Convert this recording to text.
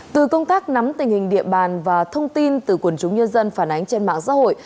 từ công tác nắm tình hình địa bàn và thông tin từ quần chúng nhân dân phản ánh trên mạng xã hội